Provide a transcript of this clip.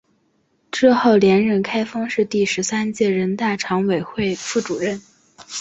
之后连任开封市第十三届人大常委会副主任。